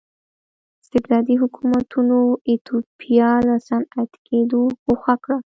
استبدادي حکومتونو ایتوپیا له صنعتي کېدو ګوښه کړه.